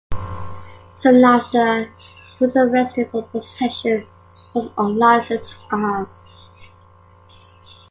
Soon after, he was arrested for possession of unlicensed arms.